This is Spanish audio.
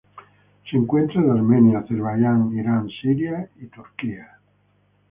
Se encuentra en Armenia, Azerbaiyán, Irán, Siria y Turquía.